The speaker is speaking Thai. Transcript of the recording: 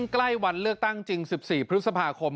ใกล้วันเลือกตั้งจริง๑๔พฤษภาคม